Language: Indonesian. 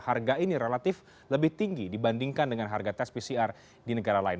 harga ini relatif lebih tinggi dibandingkan dengan harga tes pcr di negara lain